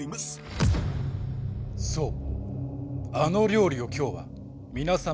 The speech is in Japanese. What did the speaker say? そう。